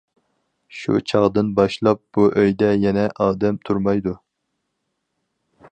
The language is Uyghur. شۇ چاغدىن باشلاپ، بۇ ئۆيدە يەنە ئادەم تۇرمايدۇ.